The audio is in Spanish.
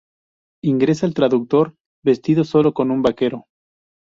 Ingresa el traductor, vestido solo con un vaquero.